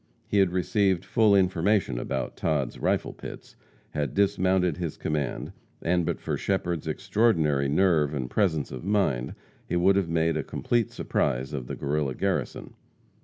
He had received full information about Todd's rifle pits, had dismounted his command, and but for Shepherd's extraordinary nerve and presence of mind, he would have made a complete surprise of the Guerrilla garrison.